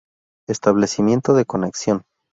Establecimiento de conexión.